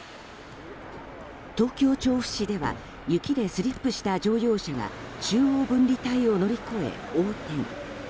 東京・調布市では雪でスリップした乗用車が中央分離帯を乗り越え横転。